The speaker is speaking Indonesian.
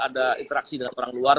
ada interaksi dengan orang luar